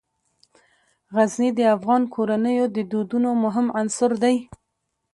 غزني د افغان کورنیو د دودونو مهم عنصر دی.